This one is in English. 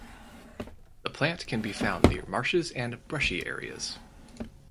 The plant can be found near marshes and brushy areas.